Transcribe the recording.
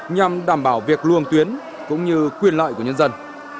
nhằm đảm bảo việc luồng tuyến cũng như quyền lợi của nhân dân